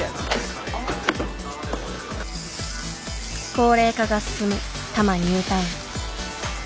高齢化が進む多摩ニュータウン。